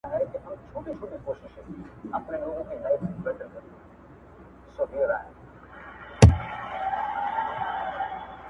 ارزښتونو او تفکر په وسيله حللاره موندل کېدل